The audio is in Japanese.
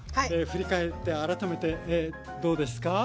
振り返って改めてどうですか？